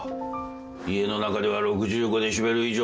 家の中では６５デシベル以上で話さない。